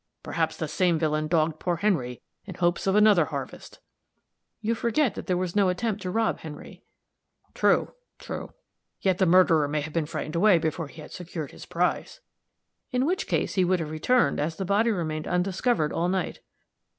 Perhaps the same villain dogged poor Henry in hopes of another harvest." "You forget that there was no attempt to rob Henry." "True true. Yet the murderer may have been frightened away before he had secured his prize." "In which case, he would have returned, as the body remained undiscovered all night."